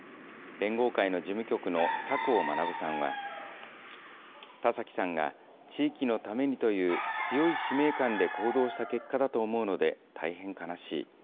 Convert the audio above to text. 連合会の事務局の佐甲学さんは、田崎さんが地域のためにという強い使命感で行動した結果だと思うので、大変悲しい。